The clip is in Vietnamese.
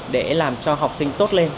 để làm cho học sinh tốt hơn